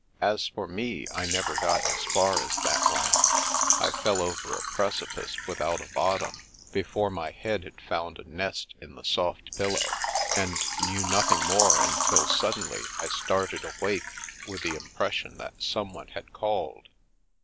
As for me, I never got as far as that land. I fell over a preci pice without a bottom, before my head had found a nest in the soft pillow, and knew nothing more until The Americans 303 suddenly I started awake with the impression that someone had called.